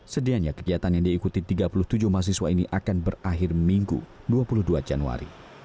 sedianya kegiatan yang diikuti tiga puluh tujuh mahasiswa ini akan berakhir minggu dua puluh dua januari